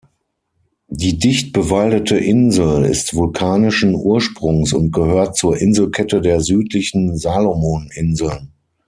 Die dicht bewaldete Insel ist vulkanischen Ursprungs und gehört zur Inselkette der südlichen Salomon-Inseln.